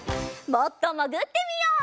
もっともぐってみよう。